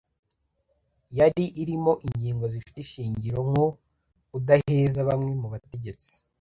Yari irimo ingingo zifite ishingiro nko kudaheza bamwe mu bategetsi,